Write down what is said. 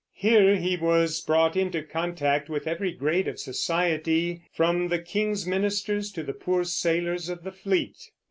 Here he was brought into contact with every grade of society, from the king's ministers to the poor sailors of the fleet.